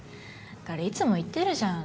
だからいつも言ってるじゃん。